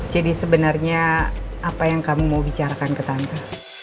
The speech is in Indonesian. jadi sebenarnya apa yang kamu mau bicarakan ke tante